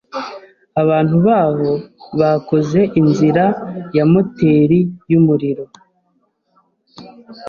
Abantu baho bakoze inzira ya moteri yumuriro.